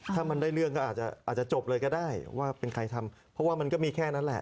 ถ้ามันได้เรื่องก็อาจจะจบเลยก็ได้ว่าเป็นใครทำเพราะว่ามันก็มีแค่นั้นแหละ